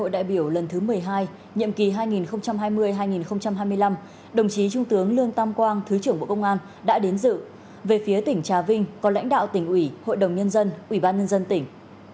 trong tháng một mươi hai nghìn hai mươi năm đồng chí trung tướng lương tam quang thứ trưởng bộ công an đã đến dự về phía tỉnh trà vinh có lãnh đạo tỉnh ủy hội đồng nhân dân ubnd tỉnh